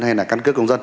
hay là căn cước công dân